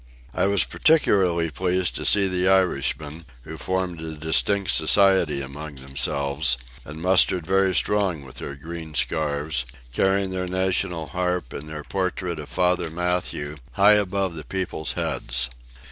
I was particularly pleased to see the Irishmen, who formed a distinct society among themselves, and mustered very strong with their green scarves; carrying their national Harp and their Portrait of Father Mathew, high above the people's heads.